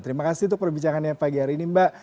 terima kasih untuk perbicaraannya pagi hari ini mbak